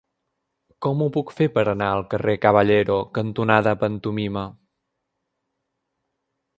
Com ho puc fer per anar al carrer Caballero cantonada Pantomima?